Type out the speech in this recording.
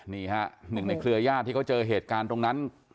นี่ฮะหนึ่งในเครือญาติที่เขาเจอเหตุการณ์ตรงนั้น